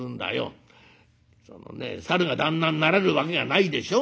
そのねサルが旦那になれるわけがないでしょ。